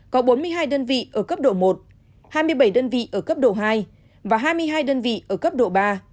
có bốn mươi hai đơn vị ở cấp độ một hai mươi bảy đơn vị ở cấp độ hai và hai mươi hai đơn vị ở cấp độ ba